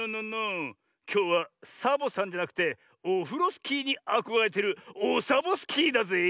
きょうはサボさんじゃなくてオフロスキーにあこがれてるオサボスキーだぜえ。